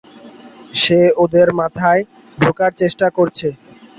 সে ওদের মাথায় ঢোকার চেষ্টা করছে।